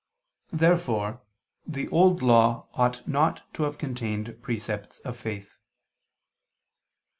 Therefore the Old Law ought not to have contained precepts of faith.